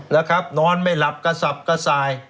นะครับนอนไม่หลับกระสับกระส่าย